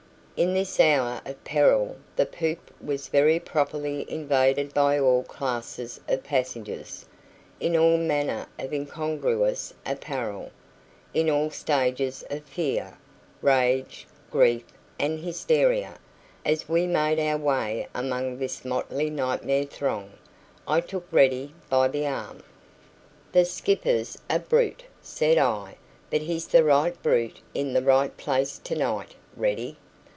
In this hour of peril the poop was very properly invaded by all classes of passengers, in all manner of incongruous apparel, in all stages of fear, rage, grief and hysteria; as we made our way among this motley nightmare throng, I took Ready by the arm. "The skipper's a brute," said I, "but he's the right brute in the right place to night, Ready!"